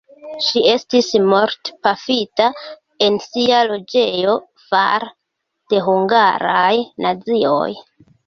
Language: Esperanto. Ŝi estis mortpafita en sia loĝejo fare de hungaraj nazioj.